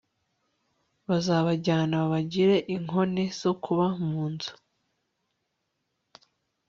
bazabajyana babagire inkone zo kuba mu nzu